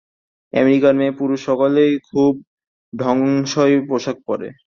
আমেরিকার মেয়ে পুরুষ সকলেই খুব ঢঙসই পোষাক পরে।